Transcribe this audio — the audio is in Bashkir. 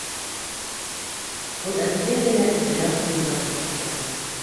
Ул әкрен генә өҫтәле артына барып ултыра.